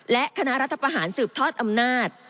และคณะรัฐประหารสืบทอดอำนาจ